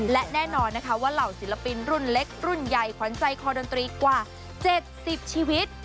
และแน่นอนนะคะว่าเหล่าศิลปินรุ่นเล็กรุ่นใหญ่ขวัญใจคอดนตรีกว่า๗๐ชีวิต